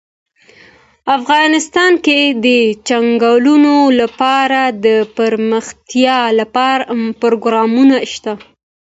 افغانستان کې د چنګلونه لپاره دپرمختیا پروګرامونه شته.